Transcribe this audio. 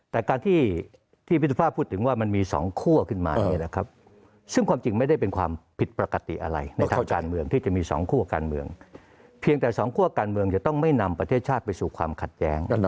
แต่การที่พี่สุภาพพูดถึงว่ามันมี๒คั่วขึ้นมาเนี่ยนะครับซึ่งความจริงไม่ได้เป็นความผิดปกติอะไรในทางการเมืองที่จะมีสองคั่วการเมืองเพียงแต่สองคั่วการเมืองจะต้องไม่นำประเทศชาติไปสู่ความขัดแย้ง